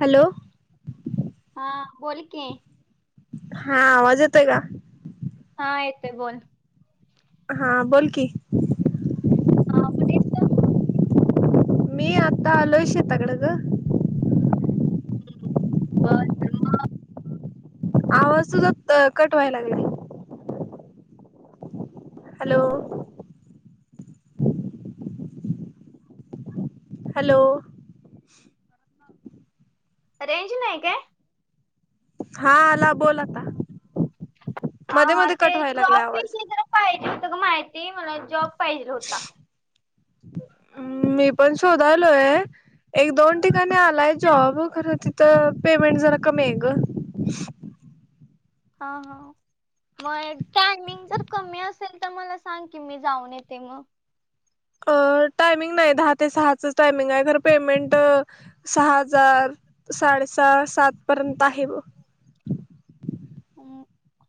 Hello हा बोल की. हा आवाज येतोय का? हा येतोय बोल. हा बोल की. हा कुठेस तम मी आता आलोय शेतकडं गं. हम्म. [unintelligible] आवाज तुझा कट व्हाय लागलाय. हॅलो. हॅलो. रेंज नाही काय? हा आला बोल आता. हा मध्ये हा मध्ये ते कट व्हायला लागलाय जॉब आवाज विषय जरा पाहिजे होतं क माहिती म्हला जॉब पाहिजे होता. हम्म मी पण शोधालोय. एक दोन ठिकाणी आलाय जॉब, खरं तिथं पेमेंट जरा कमी आहे गं. हा हाव. मग एक टायमिंग जर कमी असेल तर मला सांग की मी जाऊन येते म. अ टायमिंग नाही दहा ते सहाच टायमिंग आहे खरं पेमेंट सहा हजार साडेसहा सात पर्यंत आहे ब.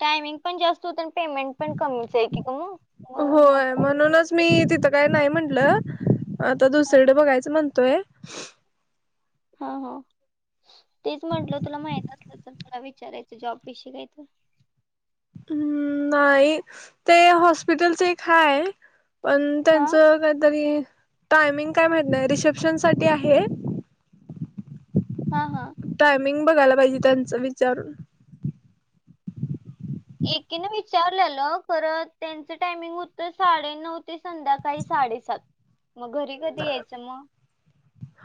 टायमिंग पण जास्त होतं आणि पेमेंट पण कमीच आहे की क म. होय म्हणूनच मी तिथं काय नाही म्हंटलं आता हा. दुसरकडे बघायचं म्हण तोय हा हा तेच म्हटलं तुला माहित असलं तर तुला विचारायचं जॉब विषयी काही तर. हम्म नाही ते हॉस्पिटलचा एक हाय पण हा त्यांचं काहीतरी टायमिंग काय माहित नाही रिसेप्शन साठी आहे. हा हा. टायमिंग बघायला पाहिजे त्यांचं विचारून. एकीने विचारलेलं परत त्यांचं टायमिंग होतं साडे नऊ ते संध्याकाळी साडेसात. म घरी कधी यायचं म.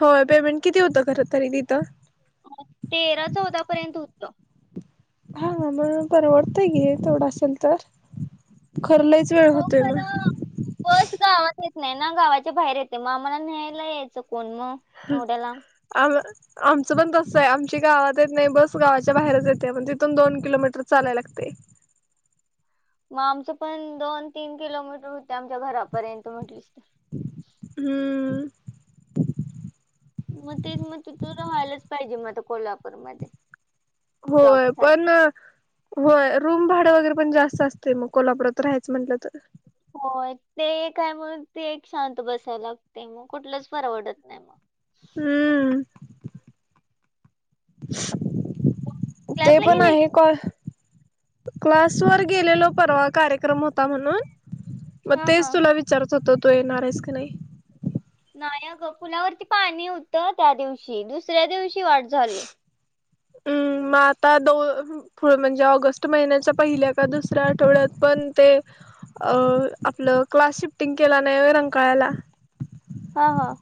हो पेमेंट किती होतं खरं तरी तिथं? तेरा चौदा पर्यंत होतं. हा म्हणून परवडतय की तेवढं असेल तर खर लईच वेळ हो होतोय म. खरं बस गावात येत नाही ना गावाच्या बाहेर येते म आम्हाला न्यायला यायचं कोण म. येवढ्या लांब आमं आमचं पण तसं आहे आमची गावात येत नाही बस गावाच्या बाहेरच येते पण तिथून दोन किलोमीटर चालाय लागते. म आमचं पण दोन-तीन किलोमीटर होते आमच्या घरा पर्यंत म्हटलीस तर. हम्म. मग तेच मग तु तिथं, राहायलाच पाहिजे मग आता कोल्हापूरमध्ये. होय, पण जॉबसाठी होय रूम भाडं वगैरे पण जास्त असतंय, ‌ मग कोल्हापुरात राहायचं म्हटलं तर. होय ते एक आहे मण ते एक शांत बसायला लागते, मग कुठलंच परवडत नाही मग. हम्. ते क्लासला पण गेलेली आहे काय? क्लासवर गेलेलो परवा कार्यक्रम होता म्हणून. मग हा हा तेच तुला विचारत होतो, तू येणार आहेस की नाही. नाही आगं पुलावरती पाणी होतं, त्या दिवशी दुसऱ्या दिवशी वाट झाली. अमं मग आता दोन, हं.. पुढं म्हणजे ऑगस्ट महिन्याच्या पहिल्या का दुसऱ्या आठवड्यात, पण ते अ आपलं क्लास शिफ्टिंग केला नाही व्हय रंकाळ्याला‌. हा हा.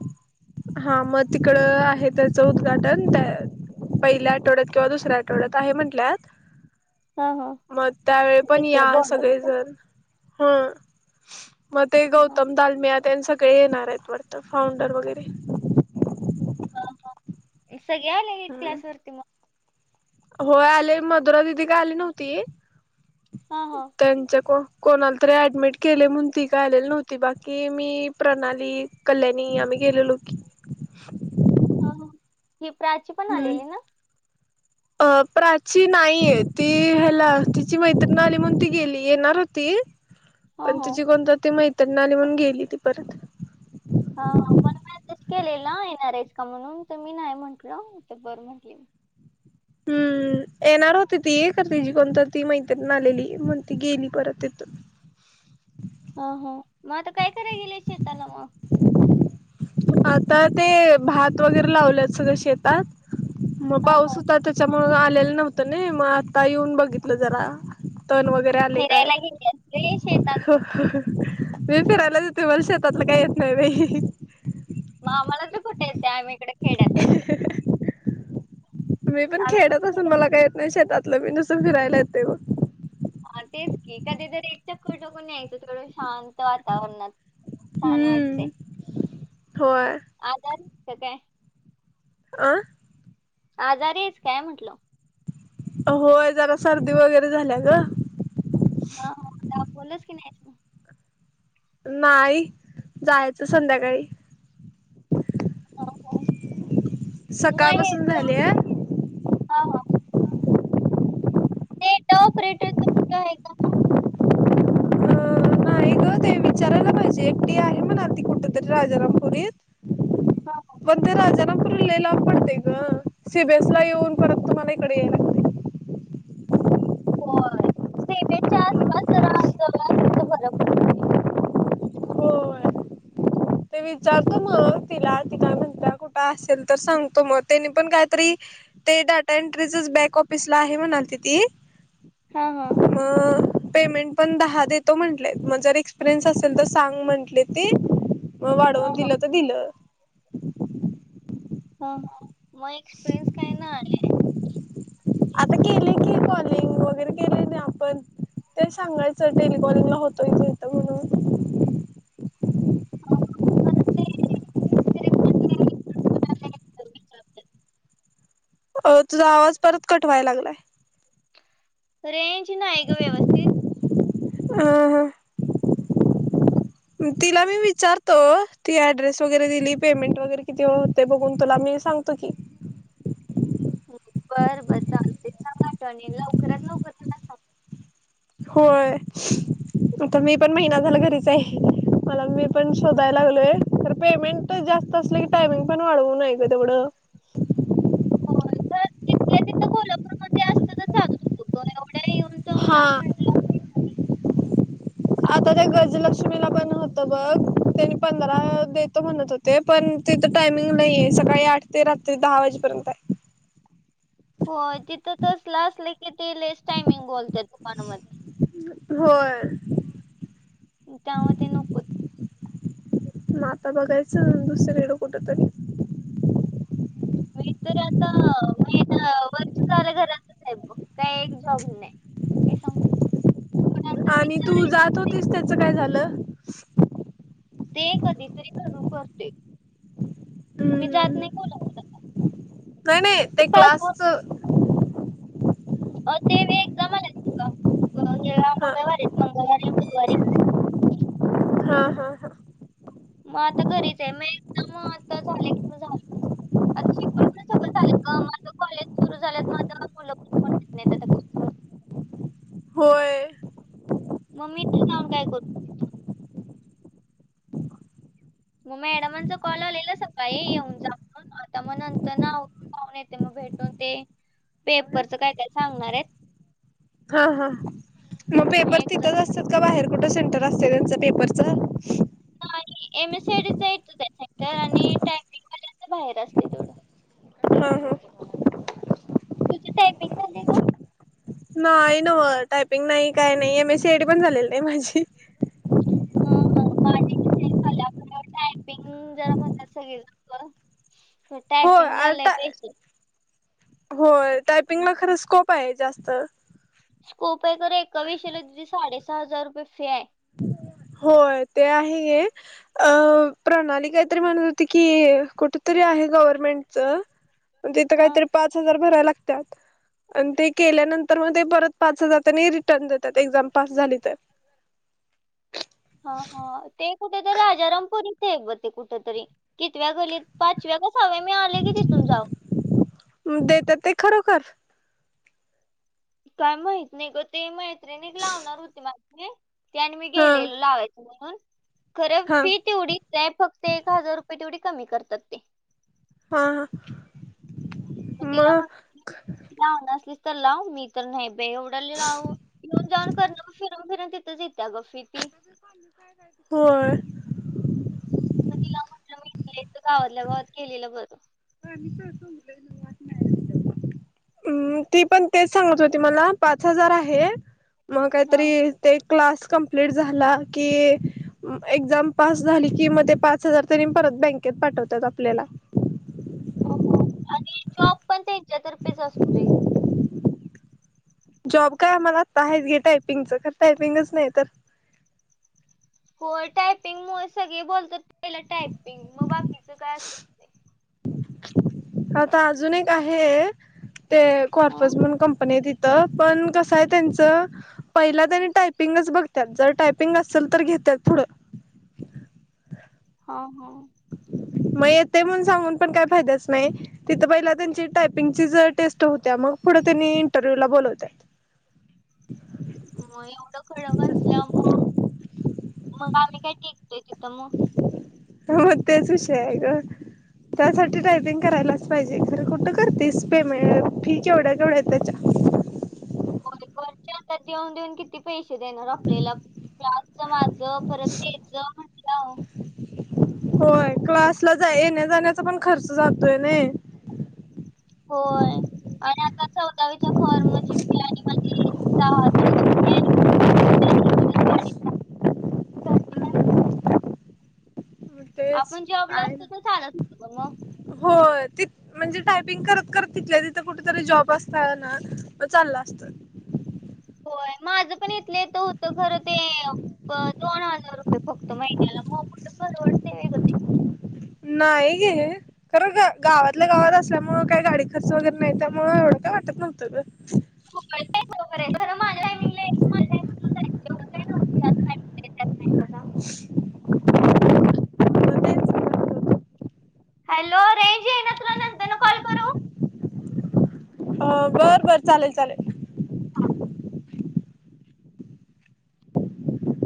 हा मग तिकडं आहे त्याचं उद्घाटन. त्या पहिल्या आठवड्यात किंवा दुसऱ्या आठवड्यात आहे म्हंटल्यात. हा हा. मग त्यावेळी पण तिकडे या बोलवलं सगळी का जण हा. मग ते हा, हा. गौतम दालमिया तेन सगळे येणार आहेत वाटतं फाउंडर वगैरे. हा, हा. सगळे आलेलीत हम्म क्लासवरती मग. होय आलोय, मधुरा दिदी काय आली नव्हती. हा हा. त्यांच्या को-कोणाला तरी ॲडमिट केलंय म्हणून ती काय आलेली नव्हती. बाकी मी, प्रणाली कल्याणी आम्ही गेलेलो की. हां हां ही प्राची पण हम्म आलेली ना, अ प्राची नाहीये. ती ह्याला तिची मैत्रिण आली म्हणून ती गेली, येणार होती. हा पण हा तिची कोणतरी ती मैत्रणी आली म्हणून गेली ती परत. हा मला मॅसेज केलेला येणार आहेस का, म्हणून तर मी नाही म्हटलं तर बरं म्हटली. हम्म. येणार होती ती, खर तीजी कोणतरी ती मैत्रीण आलेली मग ती गेली परत तिथून. हा हा. मग आता काय कराय गेल्या शेताला मग? आता ते भात वगैरे लावलय, सगळं शेतात मग हा पाऊस हा होता तर. त्याच्यामुळं आलेलं नव्हतं नई, ‌ मग आता येऊन बघितलं जरा. तण वगैरे आलोय काय फिरायला गेले असले शेतात मी फिरायला ति तुम्हाला शेतातलं काय येत नाही होय? मग आम्हाला तरी कुठे येते आम्ही इकडे खेड्यात असून. मी पण खेड्यात असून मला काही येत नाही शेतातलं, मी नुसंत फिरायला येते बघ. हा तेच की, कधी तर एक चक्कर ठुकून यायचं थोडं शांत वातावरणात. छान वाटतंय. हम्म होय. आजारी आहेस की काय? आ? आजारी आहेस काय म्हंटल? होय जरा सर्दी वगैरे झाल्या ग. ह हा.. दाखवलंस की नाही अजून. नाही जायचं संध्याकाळी. हो हो. मग हे सकाळपासून ज- झालेय. हा हा. डेटा ऑपरेटरचा कुठं आहे का काम? नाही ग ते विचारायला पाहिजे. एकटी आहे म्हणालती कुठतरी राजारामपुरीत. हां. हां. पण ते राजापुरी लै लांब पडते गं, सिबेसला येऊन परत तुम्हाला इकडे यायला लागते. होय सिमेच्या आसपास जरा जवळ असत तर बर [unintelligible] होय. ते विचारतो मग तिला ती काय म्हणत्या, कुठं असेल तर सांगतो मग त्यानी पण काहीतरी. ते डाटा एंट्रीचच बॅक ऑफिसला आहे म्हणालती ती. हा हा. प पेमेंट पण दहा देतो म्हंटले मग जर एक्सपिरियन्स असेल तर सांग म्हटले ते. मग हा वाढवून हा दिलं तर दिलं. हा मग एक्सपिरियन्स काय नाही. आता केले की कॉलिंग वगैरे केले आपण ते सांगायचं टेलिकॉनला होतोय म्हणून तिथं [unintelligible] ते [inaudible] अ.. तुझा आवाज परत कट व्हायला लागलाय. रेंज नाही ग व्यवस्थित. अं. हा. तिला मी विचारतो ती, ऍड्रेस वगैरे दिली पेमेंट वगैरे किती ओ. ते बघून तुला मी सांगतो की, बर बर चालतंय सांग आठवणीने लवकरात लवकर त्याला सांग. होय. आता मी पण महिना झालं घरीच आहे. मला मी पण शोधायला लागलोय, तर पेमेंट जास्त असलं की टायमिंग पण वाढवूय आहे गं तेवढं. हो तिथल्या तिथं कोल्हापूरमध्ये असत तर चालत होतं. तो एवढ्या येऊन जाऊन हा लांब म्हंटलं. आता त्या गजलक्ष्मीला पण होत बघ त्या पंधरा देतो म्हणत हो ते पण तिथं टायमिंग नाहीये सकाळी आठ ते रात्री दहा वाजेपर्यंत आहे. हो तिथं तसलं असल की ते लईच टायमिंग बोलते दुकानामध्ये होय. त्यामुळे ते नकोच. मग आता बघायचं दुसरीकडं कुठ तरी? मी तर आता महिना, वर्ष झालं घरातच आहे बघ काही एक जॉब नाही. ते सां आणि तू जात होतीस त्याच काय झालं? ते कधीतरी करून करतोय. मी जात हम्म. नाही कोल्हापूरला आता नाही नाही ते क्लासच अ ते वे एक्जाम आले ग हा मंगळवारी, मंगळवारी, बुधवारी. हा हा.. हा मग आता घरीच आहे मग एकदा मग आता झालंय की मग झालं. आता शिकून पण सगळं झालेय माझे कॉलेज सुरू झालेत मग आता कोल्हा कोण नाही आता को होय. मग मी एकटी जाऊन काय करू? तिथं? मग मॅडमांचा कॉल आलेला सकाळी येऊन जा म्हणून. आता मग नंतर, आवरुन जाऊन येते मग भेटून ते. जाऊया. पेपरचं काय काय सांगणार आहेत. हा. हा. मग मी पेपर एक्झाम तिथंच असता [unintelligible] बाहेर कुठं सेंटर असते त्यांच पेपरच. नाही M S C I T च एक आहे सेक्टर आणि टायपिंग वाल्याच बाहेर असते तेवढं. हा हा तुझी टायपिंग झाले का? नाही नवं टायपिंग नाही काही नाही, M S C I T पण झालेली नाही माझी. ह. तिला सगळ टायपिंग जरा म्हण अस ह्या होय टायपिंगला आ लै टा पैसे. होय टायपिंगला खरं स्कोप आहे जास्त. स्कोप आहे खरं ए एका विषयाला तूझी साडेसहा हजार रुपये फी आहे. होय ते आहे ये. अ प्रणाली काहीतरी म्हणत होती, की कुठं तरी आहे गव्हर्नमेंटच. तिथं हा काहीतरी पाच हजार भराय लागत्यात. अन ते केल्यानंतर म ते परत पाच हजार त्यांनी रिटर्न देत्यात, एक्झाम पास झाली तर. हा हा ते कुठेतरी राजारामपुरी. ग कुठेतरी, कितव्या गल्लीत पाचव्या का सहाव्या गल्लीत मी आले की तिथून जाऊन. देत्यात ते खरोखर? काय माहित नाही ग, ते मैत्रीण एक लावणार होती माझी. ते आणि मी हा गेलेलो लावायचं म्हणून खरं हा फी तेवढी ते फक्त एक हजार रुपये तेवढी कमी करतात ते. हा हा. मग तिला म्हणली, लावनार असलीस तर लाव मी तर नाही बे एवढ्याला लाऊ येऊन, जाऊन कारण फिरून फिरून तिथंच येते ग फी ती. होय. मग तिला म्हटलं ईथल्या ईथं गावातल्या गावात केलेलं बर. [unintelligible] ती पण तेच सांगत होती मला, पाच हजार आहे मग काहीतरी. हं ते क्लास कमप्लीट झाला की. एक्झाम पास झाली कि म पाच हजार त्यानी परत बँकेत पाठवतात आपल्याला. हो हो आणि जॉब पण त्यांच्यातर्फेच असतोय. जॉब काय आमाला आता हाय की टायपिंगचं खर टायपिंगच नाही तर. होय टायपिंगमुळे सगळे बोलतात पहिलं टायपिंग मग बाकीच काय असेल ते. आता अजून एक आहे ते हा कॉर्पस म्हणून कंपनी ती थं पण कसं आहे त्यांचं? पहिला त्यांनी टायपिंगच बघतात जर टायपिंग असलं तर घेतात पुढं. हा हा. म येते म्हणून सांगून पण काय फायदाच नाय. तिथं पहिला त्यांची टायपिंगचीच टेस्ट होत्या, मग पुढं त्यांनी इंटरव्ह्यू ला बोलव त्यात. म एवढं कडक असलंमूळ मग आमी काय टिकतोय तिथं मग. ह म तेच विषय हाय गं. त्यासाठी हम्म. टायपिंग करायलाच पाहिजे खरं कुठं करतेस पेमेंट फी केवढ्या केवढ्या त्याच्या हो घरचे आता देऊन देऊन किती पैसे देणार आपल्याला. क्लासचं माझं परत तेचं म्हटल्यावर. होय क्लासला जाय येण्या जाण्याचा पण खर्च जातोय नई. होय आनी आता चौदावीच्या फॉर्मची फी माझी. [unintelligible] तेच आपण जॉबला काय ना असतो तर चालत होत मग. होय ती म्हणजे टायपिंग करत करत, तिथल्या तिथं कुठेतरी जॉब असता ना चालला असतं. होय माझं पण इथल्या ईथं होतं खर ते. दोन हजार रुपये फक्त महिन्याला, मग कुठे परवडतय व्हय ग ते? नाही गेली रे. खरं, ग गावातल्या गावात असल्यामुळं काही गाडी खर्च वगैरे नाही त्यामुळं एवढं काय वाटत नव्हतं. [inaudible] एवढं काय नव्हतं याच ला, त्याच ला जा. [inaudible] हॅलो रेंज येईना तुला नंतरला कॉल करू? हो बर बर चालेल चालेल.